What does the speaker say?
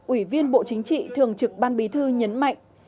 ủy viên bộ chính trị thường trực ban bí thư nhấn mạnh